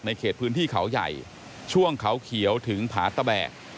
เขตพื้นที่เขาใหญ่ช่วงเขาเขียวถึงผาตะแบก